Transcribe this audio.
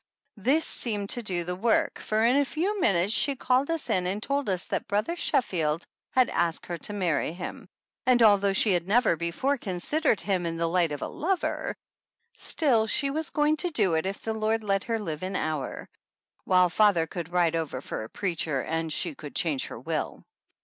This seemed to do the work, for in a few minutes she called us in and told us that Brother Sheffield had asked her to marry him, and although she had never before consid ^ered him in the light of a lover, still she was going to do it if the Lord let her live an hour, while father could ride over for a preacher and she could change her will.